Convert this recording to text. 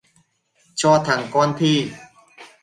Cho thằng con thi